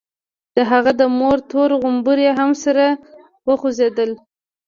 د هغه د مور تور غومبري هم سره وخوځېدل.